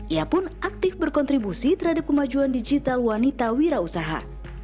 ia pun aktif berkontribusi terhadap kemajuan digital wanita wira usaha